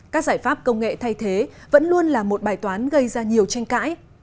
các giải pháp công nghệ thay thế vẫn luôn là một bài toán gây ra nhiều tranh cãi